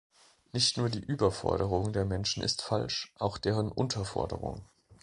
Nicht nur die Überforderung der Menschen ist falsch, auch deren Unterforderung.